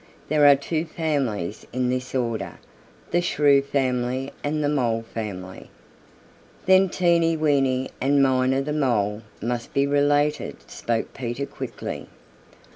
There are two families in this order, the Shrew family and the Mole family." "Then Teeny Weeny and Miner the Mole must be related," spoke Peter quickly.